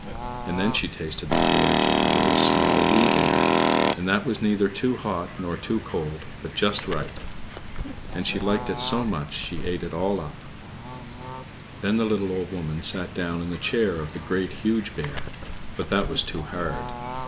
And then she tasted the porridge of the Little, Small, Wee Bear, and that was neither too hot nor too cold, but just right. And she liked it so much that she ate it all up! Then the little Old Woman sat down in the chair of the Great, Huge Bear, but that was too hard.